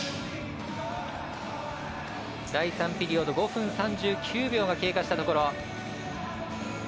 第３ピリオド、５分３９秒が経過したところ。